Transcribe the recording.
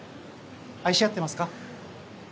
愛し合ってますか？